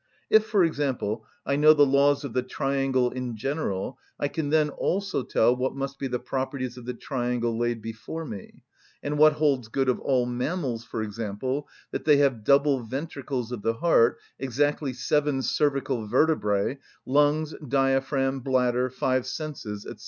If, for example, I know the laws of the triangle in general, I can then also tell what must be the properties of the triangle laid before me; and what holds good of all mammals, for example, that they have double ventricles of the heart, exactly seven cervical vertebræ, lungs, diaphragm, bladder, five senses, &c.